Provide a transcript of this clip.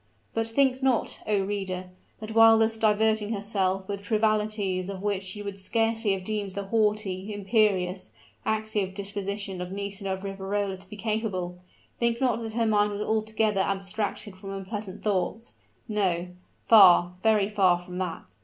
But think not, O reader! that while thus diverting herself with trivialities of which you would scarcely have deemed the haughty imperious active disposition of Nisida of Riverola to be capable think not that her mind was altogether abstracted from unpleasant thoughts. No far, very far from that!